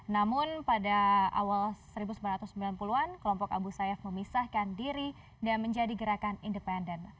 namun pada awal seribu sembilan ratus sembilan puluh an kelompok abu sayyaf memisahkan diri dan menjadi gerakan independen